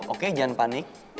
oke jangan panik